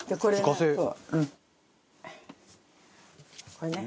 これね。